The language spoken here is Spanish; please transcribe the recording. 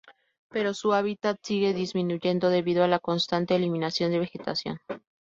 Pero su hábitat sigue disminuyendo, debido a la constante eliminación de la vegetación.